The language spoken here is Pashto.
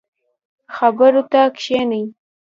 خبرو ته کښیني.